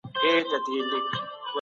تل د حق غږ پورته کوئ.